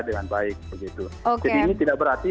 dengan baik begitu jadi ini tidak berarti